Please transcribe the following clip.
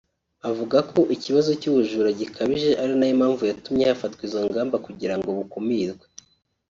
avuga ko ikibazo cy’ubujura gikabije ari nayo mpamvu yatumye hafatwa izo ngamba kugira ngo bukumirwe